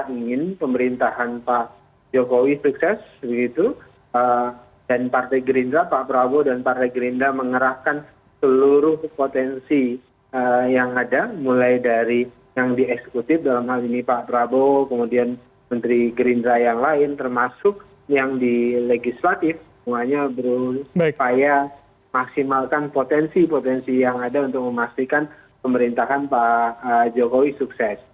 pengen pemerintahan pak jokowi sukses begitu dan partai gerindra pak prabowo dan partai gerindra mengerahkan seluruh potensi yang ada mulai dari yang dieksekutif dalam hal ini pak prabowo kemudian menteri gerindra yang lain termasuk yang di legislatif semuanya berusaha maksimalkan potensi potensi yang ada untuk memastikan pemerintahan pak jokowi sukses